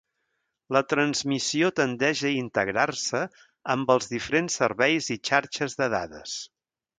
La transmissió tendeix a integrar-se amb els diferents serveis i xarxes de dades.